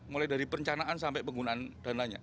mulai dari perencanaan sampai penggunaan dan lainnya